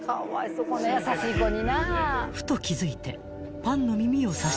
［ふと気付いて］